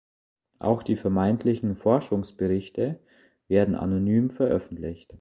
Auch die vermeintlichen „Forschungsberichte“ werden anonym veröffentlicht.